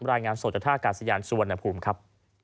รายงานสดจากท่ากาศยานสุวรรณภูมิครับ